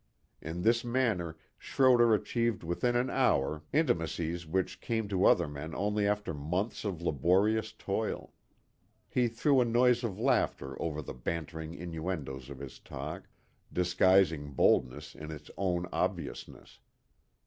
In this manner Schroder achieved within an hour intimacies which came to other men only after months of laborious toil. He threw a noise of laughter over the bantering innuendoes of his talk, disguising boldness in its own obviousness.